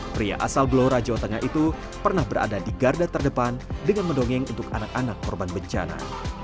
pria asal blora jawa tengah itu pernah berada di garda terdepan dengan mendongeng untuk anak anak korban bencana